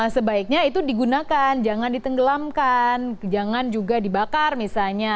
sebaiknya itu digunakan jangan ditenggelamkan jangan juga dibakar misalnya